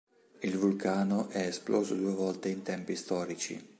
Il vulcano è esploso due volte in tempi storici.